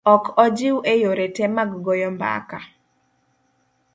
Ok ojiw e yore te mag goyo mbaka.